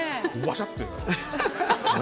わしゃって。